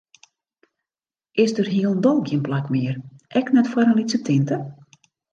Is der hielendal gjin plak mear, ek net foar in lytse tinte?